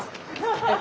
ハハハッ。